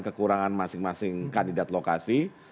kekurangan masing masing kandidat lokasi